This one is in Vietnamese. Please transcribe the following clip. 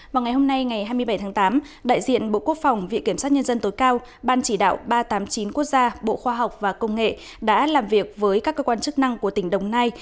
vào ngày hôm nay ngày hai mươi bảy tháng tám đại diện bộ quốc phòng viện kiểm sát nhân dân tối cao ban chỉ đạo ba trăm tám mươi chín quốc gia bộ khoa học và công nghệ đã làm việc với các cơ quan chức năng của tỉnh đồng nai